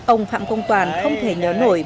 ông phạm công toàn không thể nhớ nổi